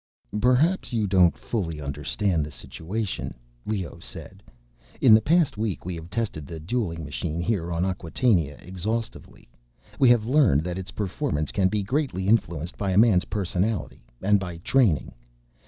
"Perhaps you don't fully understand the situation," Leoh said. "In the past week, we have tested the dueling machine here on Acquatainia exhaustively. We have learned that its performance can be greatly influenced by a man's personality, and by training.